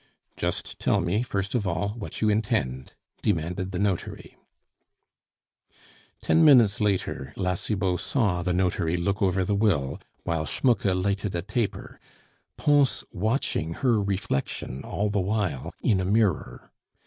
"Just tell me, first of all, what you intend," demanded the notary. Ten minutes later La Cibot saw the notary look over the will, while Schmucke lighted a taper (Pons watching her reflection all the while in a mirror).